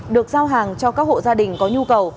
được giao hàng cho các hộ gia đình có nhu cầu